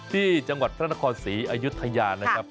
ที่จังหวัดพระนครศรีอายุทยานะครับ